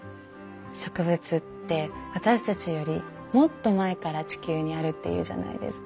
植物って私たちよりもっと前から地球にあるっていうじゃないですか。